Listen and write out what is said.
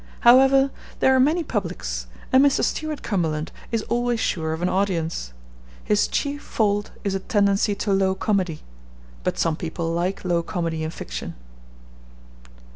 However, there are many publics, and Mr. Stuart Cumberland is always sure of an audience. His chief fault is a tendency to low comedy; but some people like low comedy in fiction.